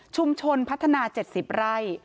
ชุมชนพัฒนา๗๐ไร่